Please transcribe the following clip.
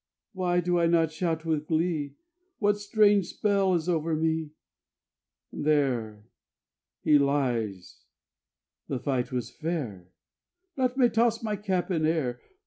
Why do I not shout with glee? What strange spell is over me? There he lies; the fight was fair; Let me toss my cap in air.